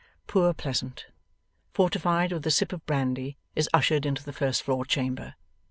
Poor Pleasant, fortified with a sip of brandy, is ushered into the first floor chamber.